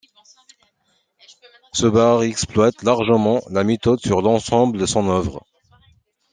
Cebarre exploite largement la méthode sur l’ensemble de son œuvre.